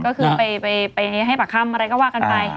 ก็คือไปให้ปากคำอะไรก็ว่ากันไป